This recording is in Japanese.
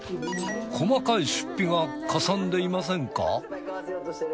細かい出費がかさんでいませんか？